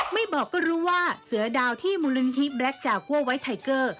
ไม่บอกก็รู้ว่าเสือดาวที่มูลนิธิแบล็คจากัวไว้ไทเกอร์